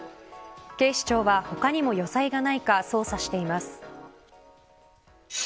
警視庁は、他にも余罪がないか捜査しています。